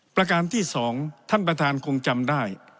ประการที่๒ท่านประธานคงจำได้